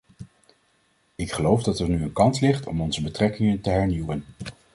Ik geloof dat er nu een kans ligt om onze betrekkingen te hernieuwen.